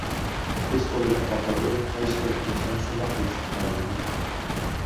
بىز ئويلاپ باقايلى قايسىبىر ئىنسان شۇنداق بولۇشنى خالايدۇ؟!